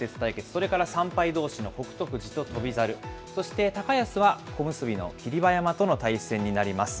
それから３敗どうしの北勝富士と翔猿、そして、高安は小結の霧馬山との対戦になります。